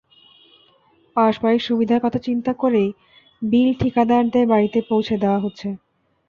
পারস্পরিক সুবিধার কথা চিন্তা করেই বিল ঠিকাদারদের বাড়িতে পৌঁছে দেওয়া হচ্ছে।